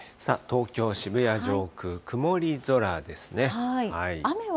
東京・渋谷上空、曇り空ですね。